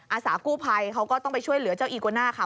อาสากู้ภัยเขาก็ต้องไปช่วยเหลือเจ้าอีโกน่าค่ะ